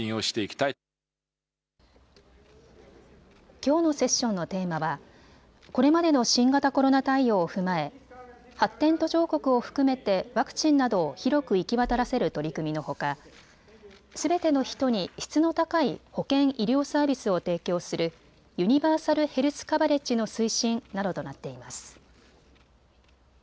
きょうのセッションのテーマはこれまでの新型コロナ対応を踏まえ、発展途上国を含めてワクチンなどを広く行き渡らせる取り組みのほかすべての人に質の高い保健・医療サービスを提供するユニバーサル・ヘルス・カバレッジの推進などとなっています。